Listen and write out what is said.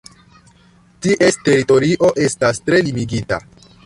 Ties teritorio esta tre limigita.